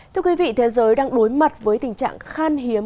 thưa quý vị thế giới đang đối mặt với tình trạng khan hiếm